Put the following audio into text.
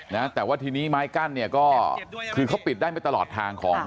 นะแต่ว่าทีนี้ไม้กั้นเนี่ยก็คือเขาปิดได้ไม่ตลอดทางของ